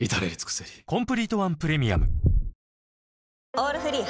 「オールフリー」